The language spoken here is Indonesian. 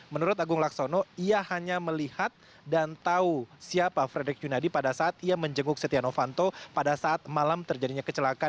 menurut agung laksono ia hanya melihat dan tahu siapa frederick yunadi pada saat ia menjenguk setia novanto pada saat malam terjadinya kecelakaan